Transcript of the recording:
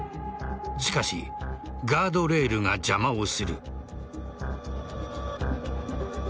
しかしガードレールが邪魔をする。